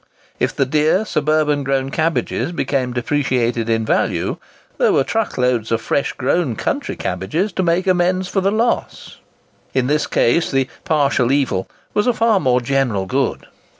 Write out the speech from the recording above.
If the dear suburban grown cabbages became depreciated in value, there were truck loads of fresh grown country cabbages to make amends for the loss: in this case, the "partial evil" was a far more general good.